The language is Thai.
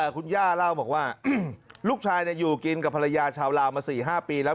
คุณย่าเล่าบอกว่าลูกชายอยู่กินกับภรรยาชาวลาวมา๔๕ปีแล้ว